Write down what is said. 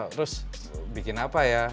terus bikin apa ya